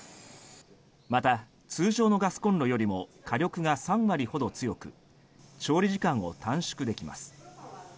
また、通常のガスコンロよりも火力が３割ほど強く調理時間を短縮できます。